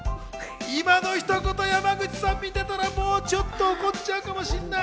今のひと言、山口さん見てたら、ちょっと怒っちゃうかもしれない。